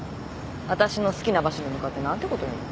わたしの好きな場所に向かって何てこと言うの。